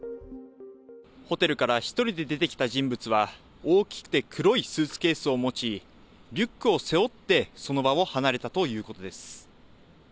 ホテルから１人で出てきた人物は、大きくて黒いスーツケースを持ち、リュックを背負って、その場を離れたということです。